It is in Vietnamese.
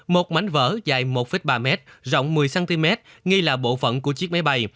một mảnh vỡ dài một ba m rộng một mươi cm nghi là bộ phận của chiếc máy bay